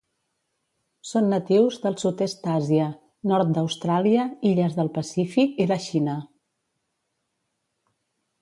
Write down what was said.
Són natius del sud-est d'Àsia, nord d'Austràlia, illes del Pacífic i la Xina.